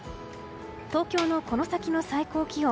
東京のこの先の最高気温。